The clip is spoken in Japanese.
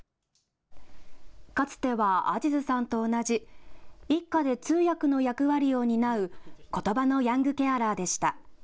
かつてはアジズさんと同じ、一家で通訳の役割を担うことばのヤングケアラーでした。